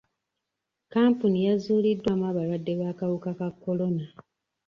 Kampuuni yazuuliddwamu abalwadde b'akawuka ka kolona.